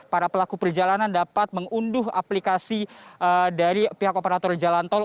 para pelaku perjalanan dapat mengunduh aplikasi dari pihak operator jalan tol